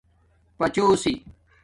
بِجوچھس